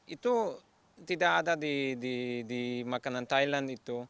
itu tidak ada di makanan thailand itu